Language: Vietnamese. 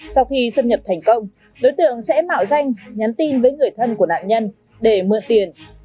sau khi xâm nhập thành công đối tượng sẽ mạo danh nhắn tin với người thân của nạn nhân để mượn tiền